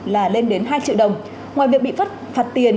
là lên đến hai triệu đồng ngoài việc bị phạt tiền